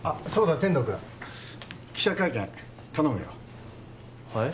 天堂君記者会見頼むよはい？